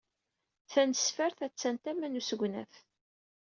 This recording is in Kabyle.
Tanesfart attan tama n usegnaf.